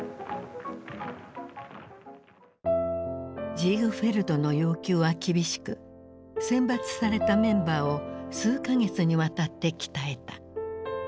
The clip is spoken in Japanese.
ジーグフェルドの要求は厳しく選抜されたメンバーを数か月にわたって鍛えた。